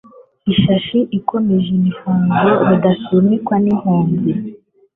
Ishashi ikomeje imihigo rudasunikwa n,impunzi